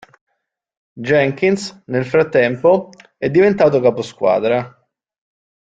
Jenkins, nel frattempo, è diventato caposquadra.